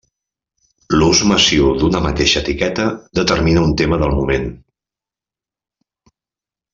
L'ús massiu d'una mateixa etiqueta determina un tema del moment.